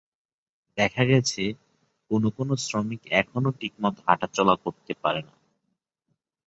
দেখা গেছে, কোনো কোনো শ্রমিক এখনো ঠিকমতো হাঁটাচলা করতে পারেন না।